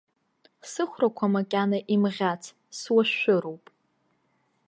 Сыхәрақәа макьана имӷьац, суашәшәыроуп.